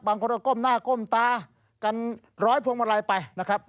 บางคนก็ก้มหน้าก้มตากันร้อยพวงมาลัยไปนะครับ